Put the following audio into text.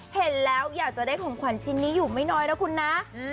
เห็นแล้วอยากจะได้ของขวัญชิ้นนี้อยู่ไม่น้อยนะคุณนะ